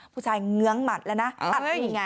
ผู้ชายเนื้องหมัดแล้วนี่ไง